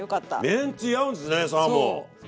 めんつゆ合うんですねサーモン。